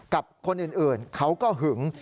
กับคนอื่นเขาก็หึง